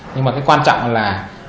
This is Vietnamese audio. nhưng mà cái quan trọng là